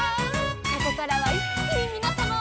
「ここからはいっきにみなさまを」